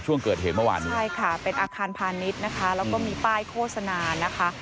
ใช่ค่ะเป็นอาคารพาณิชย์นะคะแล้วก็มีป้ายโฆษณานะคะ